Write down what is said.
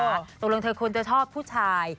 ตรงเรื่องเธอคุณจะชอบผู้ชาย